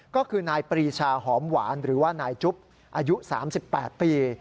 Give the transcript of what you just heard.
ก็คือนายปรีชาหอมหวานหรือว่านายจุ๊บอายุ๓๘ปี